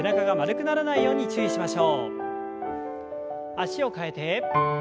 脚を替えて。